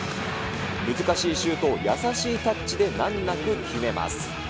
難しいシュートを優しいタッチで難なく決めます。